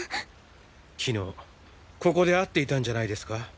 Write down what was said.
昨日ここで会っていたんじゃないですか？